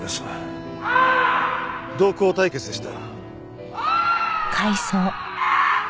同校対決でした。